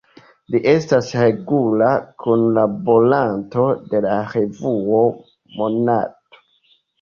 Li estas regula kunlaboranto de la revuo Monato.